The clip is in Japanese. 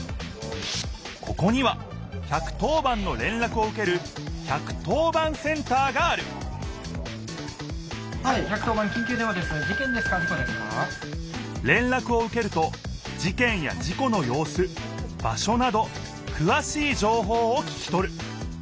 ここには１１０番のれんらくをうける１１０番センターがあるれんらくをうけると事件や事故のようす場所などくわしいじょうほうを聞きとる。